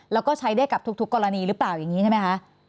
แล้วก็ใช้ได้กับทุกกรณีหรือเปล่าอย่างนี้ใช่ไหมคะ